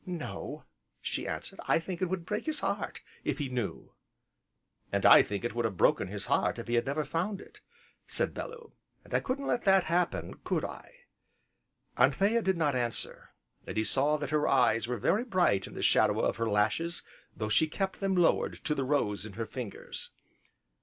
"No," she answered, "I think it would break his heart if he knew." "And I think it would have broken his heart if he had never found it," said Bellew, "and I couldn't let that happen, could I?" Anthea did not answer, and he saw that her eyes were very bright in the shadow of her lashes though she kept them lowered to the rose in her fingers.